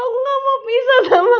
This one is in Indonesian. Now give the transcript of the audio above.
aku gak mau pisah sama kamu